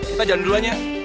kita jalan duluan ya